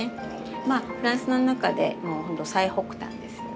まあフランスの中でもうほんと最北端ですよね。